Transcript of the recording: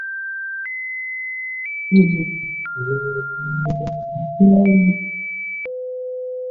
腹斧角水蚤为角水蚤科角水蚤属下的一个种。